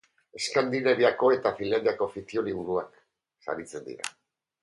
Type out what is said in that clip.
Eskandinaviako eta Finlandiako fikziozko liburuak saritzen dira.